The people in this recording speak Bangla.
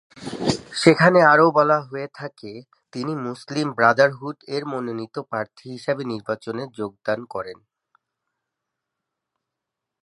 সেখানে আরও বলা হয়ে থাকে, তিনি মুসলিম ব্রাদারহুড এর মনোনীত প্রার্থী হিসেবে নির্বাচনে যোগদান করেন।